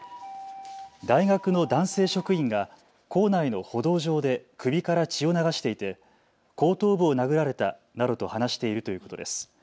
大学の男性職員が構内の歩道上で首から血を流していて後頭部を殴られたなどと話しているということです。